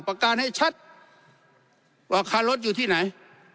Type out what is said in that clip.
ประการให้ชัดว่าค่ารถอยู่ที่ไหน